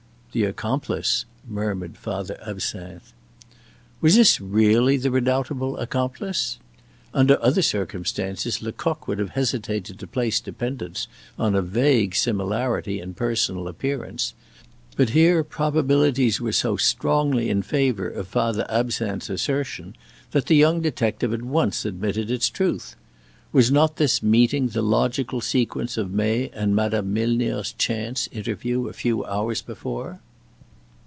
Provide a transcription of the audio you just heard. "The accomplice!" murmured Father Absinthe. Was this really the redoubtable accomplice? Under other circumstances Lecoq would have hesitated to place dependence on a vague similarity in personal appearance; but here probabilities were so strongly in favor of Father Absinthe's assertion that the young detective at once admitted its truth. Was not this meeting the logical sequence of May and Madame Milner's chance interview a few hours before?